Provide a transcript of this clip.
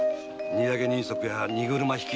荷揚げ人足や荷車引き。